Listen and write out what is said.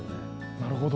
なるほど。